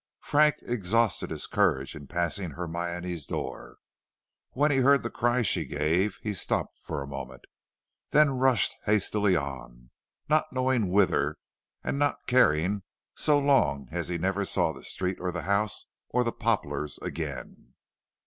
Frank exhausted his courage in passing Hermione's door. When he heard the cry she gave, he stopped for a moment, then rushed hastily on, not knowing whither, and not caring, so long as he never saw the street or the house or the poplars again.